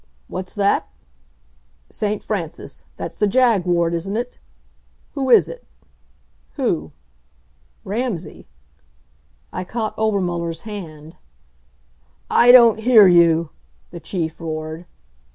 What's that? St. Francis that's the jag ward, isn't it? Who is it? Who? Ramsay!" I caught Obermuller's hand. "I don't hear you," the Chief roared.